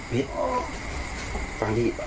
พี่ฟังดี